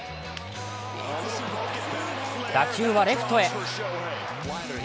打球はレフトへ。